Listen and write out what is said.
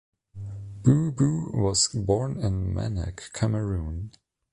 Booh-Booh was born in Manak, Cameroon.